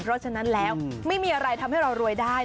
เพราะฉะนั้นแล้วไม่มีอะไรทำให้เรารวยได้